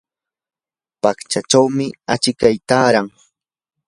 paqchachawmi achikay taaran.